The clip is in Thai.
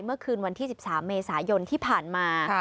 เมื่อคืนวันที่๑๓เมษายนที่ผ่านมา